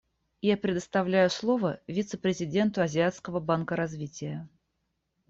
Я предоставляю слово вице-президенту Азиатского банка развития.